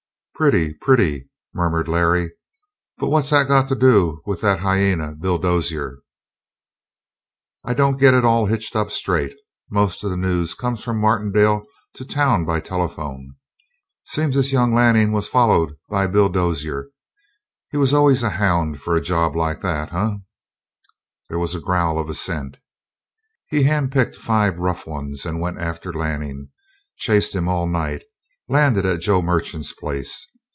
"Pretty, pretty!" murmured Larry. "But what's that got to do with that hyena, Bill Dozier?" "I don't get it all hitched up straight. Most of the news come from Martindale to town by telephone. Seems this young Lanning was follered by Bill Dozier. He was always a hound for a job like that, eh?" There was a growl of assent. "He hand picked five rough ones and went after Lanning. Chased him all night. Landed at John Merchant's place.